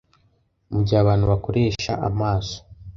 Mu gihe abantu bakoresha amaso